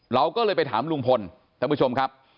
เราก็เลยไปถามลุงพลท่านผู้ชมครับ